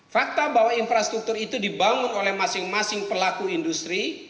fakta bahwa infrastruktur itu dibangun oleh masing masing pelaku industri